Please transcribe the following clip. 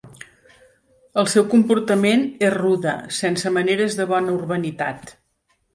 El seu comportament és rude, sense maneres de bona urbanitat.